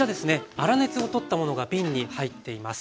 粗熱を取ったものが瓶に入っています。